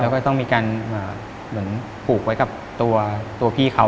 แล้วก็ต้องมีการเหมือนผูกไว้กับตัวพี่เขา